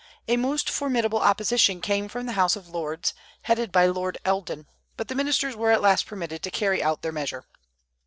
A most formidable opposition came from the House of Lords, headed by Lord Eldon; but the ministers were at last permitted to carry out their measure.